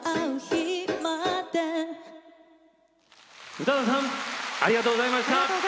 宇多田さんありがとうございました。